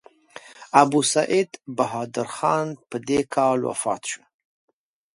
ابوسعید بهادر خان په دې کال وفات شو.